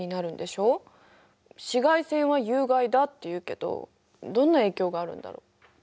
紫外線は有害だっていうけどどんな影響があるんだろう？